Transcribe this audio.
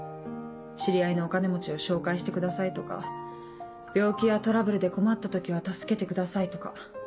知り合いのお金持ちを紹介してくださいとか病気やトラブルで困った時は助けてくださいとか。